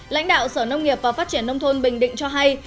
lãnh đạo sở nông nghiệp và phát triển nông thôn bình định cho hay